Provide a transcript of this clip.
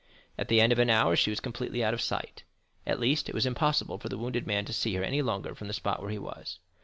At the end of an hour she was completely out of sight; at least, it was impossible for the wounded man to see her any longer from the spot where he was.